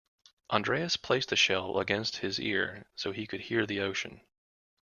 Andreas placed the shell against his ear so he could hear the ocean.